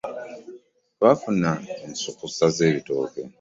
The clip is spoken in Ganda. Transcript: Twafuna ensukusa zebitooke.